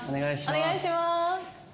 お願いします。